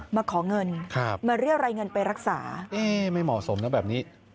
มาขอเงินมาเรียกรายเงินไปรักษาไม่เหมาะสมนะแบบนี้